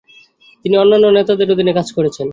তিনি অন্যান্য নেতাদের অধীনে কাজ করেছেন।